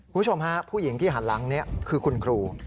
คุณผู้ชมฮะผู้หญิงที่หันหลังนี้คือคุณครู